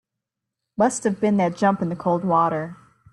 Must have been that jump in the cold water.